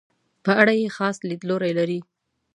په اړه یې خاص لیدلوری لري.